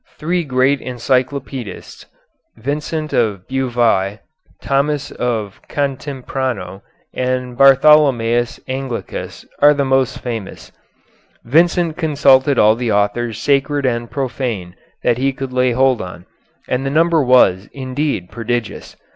Three great encyclopedists, Vincent of Beauvais, Thomas of Cantimprato, and Bartholomæus Anglicus, are the most famous. Vincent consulted all the authors sacred and profane that he could lay hold on, and the number was, indeed, prodigious.